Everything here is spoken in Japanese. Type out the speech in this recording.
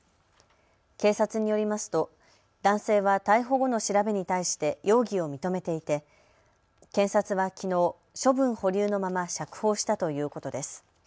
警察によりますと男性は逮捕後の調べに対して容疑を認めていて検察はきのう処分保留のまま釈放したということです。